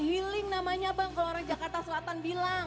healing namanya bang kalau orang jakarta selatan bilang